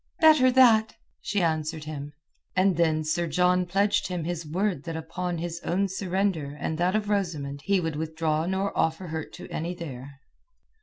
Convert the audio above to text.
"Better that!" she answered him. And then Sir John pledged him his word that upon his own surrender and that of Rosamund he would withdraw nor offer hurt to any there.